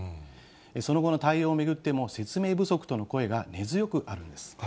その後の対応を巡っても、説明不足との声が根強くあるんです。